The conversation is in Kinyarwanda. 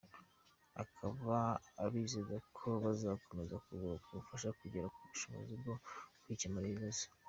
Akaba abizeza ko bazakomeza kubafasha kugera ku bushobozi bwo kwikemurira ibibazo.